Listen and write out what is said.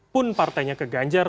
pun partainya ke ganjar